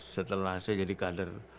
setelah saya jadi kader